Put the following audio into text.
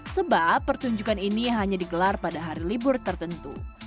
sebab pertunjukan ini hanya digelar pada hari libur tertentu